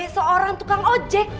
seorang tukang ojek